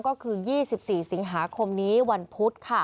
ก็คือ๒๔สิงหาคมนี้วันพุธ